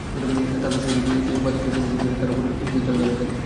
তারপর সেই পাথরটি চেনার সুবিধার্থে তার উপর কিছু তেল ঢেলে দেন।